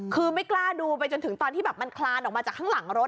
คือไม่กล้าดูไปจนถึงตอนที่แบบมันคลานออกมาจากข้างหลังรถ